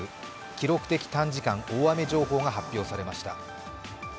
記録的短時間大雨情報が発表されました。